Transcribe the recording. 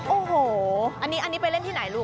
โอ้โหอันนี้ไปเล่นที่ไหนลูก